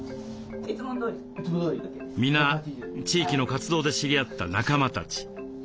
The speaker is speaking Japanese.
皆地域の活動で知り合った仲間たち。